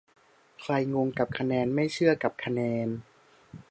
ใครงงกับคะแนน ไม่เชื่อกับคะแนน